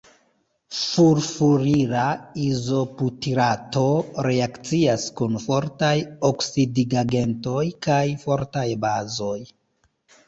Furfurila izobutirato reakcias kun fortaj oksidigagentoj kaj fortaj bazoj.